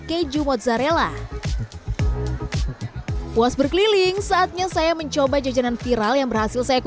keju mozzarella puas berkeliling saatnya saya mencoba jajanan viral yang berhasil saya